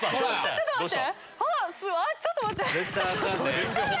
ちょっと待って！